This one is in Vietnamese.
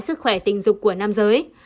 sức khỏe tình dục của nam giới